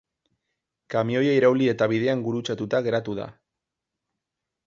Kamioia irauli eta bidean gurutzatuta geratu da.